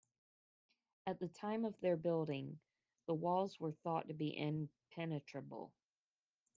At the time of their building, the walls were thought to be impenetrable.